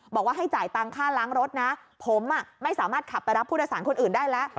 บอกว่าให้จ่ายตังค่าล้างรถนะผมไม่สามารถขับไปรับผู้โดยสารคนอื่นได้แล้ว